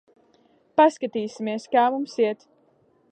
Paskatīsimies, kā mums iet.